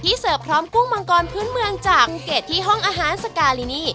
เสิร์ฟพร้อมกุ้งมังกรพื้นเมืองจากภูเก็ตที่ห้องอาหารสกาลินี